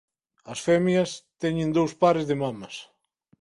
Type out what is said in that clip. As femias teñen dous pares de mamas.